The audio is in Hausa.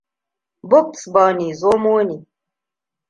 Bugs Bunny zomo ne.